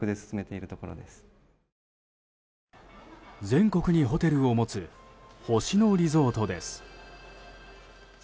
全国にホテルを持つ星野リゾートです。